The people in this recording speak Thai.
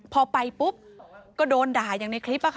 พอไปปุ๊บก็โดนด่าอย่างในคลิป